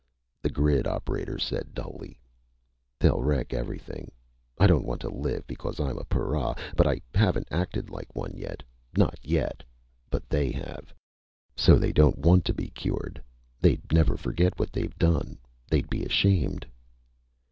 _" The grid operator said dully: "They'll wreck everything. I don't want to live because I'm a para, but I haven't acted like one yet. Not yet! But they have! So they don't want to be cured! They'd never forget what they've done. They'd be ashamed!"